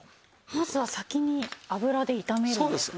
まずは先に油で炒めるんですね。